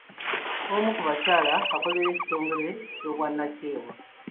Omu ku bakyala akolera kitongole eky'obwannakyewa.